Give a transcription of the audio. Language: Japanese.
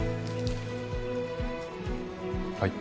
はい。